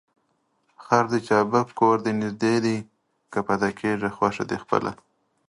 خر دي چابک کور دي نژدې دى ، که پاته کېږې خوښه دي خپله.